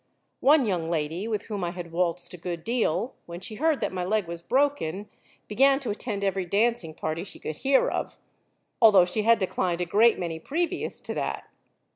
One young lady, with whom I had waltzed a good deal, when she heard that my leg was broken, began to attend every dancing party she could hear of, although she had declined a great many previous to that.